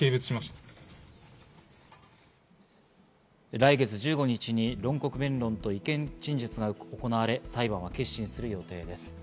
来月１５日に論告弁論と意見陳述が行われ裁判は結審する予定です。